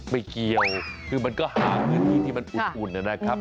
ไม่เกี่ยวคือมันก็หาพื้นที่ที่มันอุ่นนะครับ